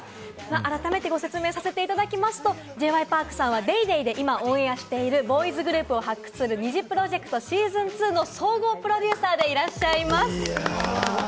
改めてご説明させていただきますと、Ｊ．Ｙ．Ｐａｒｋさんは『ＤａｙＤａｙ．』で今、オンエアしているボーイズグループを発掘する、ＮｉｚｉＰｒｏｊｅｃｔＳｅａｓｏｎ２の総合プロデューサーでいらっしゃいます。